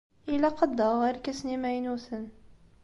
Ilaq ad d-aɣeɣ irkasen imaynuten.